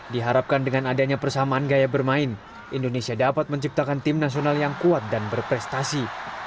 diharapkan dengan adanya persamaan gaya bermain indonesia dapat menciptakan tim nasional yang kuat dan berprestasi